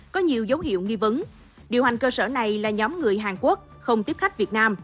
có nhiều dấu hiệu nghi vấn điều hành cơ sở này là nhóm người hàn quốc không tiếp khách việt nam